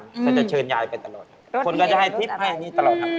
จะเชิญแย่ไปตลอดคนก็จะให้ทิศแบบนี้ตลอดครับ